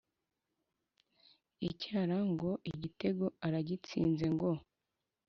icyara ngo igitego aragitsinze ngo